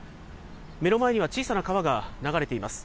目の前には小さな川が流れています。